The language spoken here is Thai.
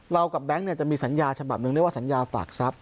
เรากับแบงค์เนี่ยจะมีสัญญาฉบับนึงเรียกว่าสัญญาฝากทรัพย์